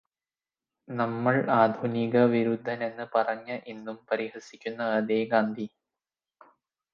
നമ്മള് ആധുനികവിരുദ്ധന് എന്ന് പറഞ്ഞ് ഇന്നും പരിഹസിക്കുന്ന അതേ ഗാന്ധി.